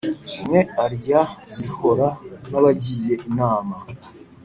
“umwe arya bihora n’abagiye inama